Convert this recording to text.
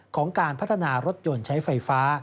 ของการพัฒนารถยนต์ใช้ไฟฟ้า